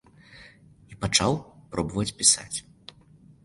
І пачаў пробаваць пісаць.